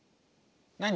何？